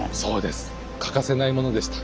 欠かせないものでした。